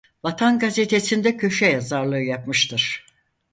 Vatan gazetesinde köşe yazarlığı yapmıştır.